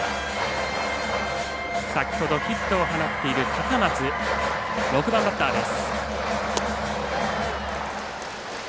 先ほどヒットを放っている高松６番バッターです。